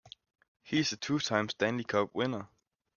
He is a two time Stanley cup winner.